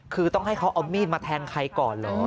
คือต้องให้เขาเอามีดมาแทงใครก่อนเหรอ